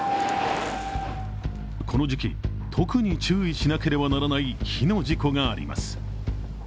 この時期、特に注意しなければならない火の事故があります。